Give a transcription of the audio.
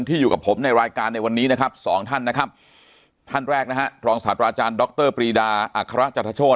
ที่อยู่กับผมในรายการในวันนี้นะครับ๒ท่านนะครับท่านแรกนะฮะทรปริดาอัครจัทรโชน